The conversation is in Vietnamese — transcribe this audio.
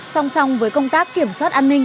song song với công tác kiểm soát an ninh